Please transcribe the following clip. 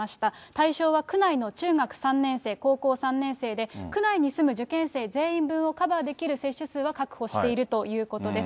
対象は区内の中学３年生、高校３年生で、区内に住む受験生全員分をカバーできる接種数は確保しているということです。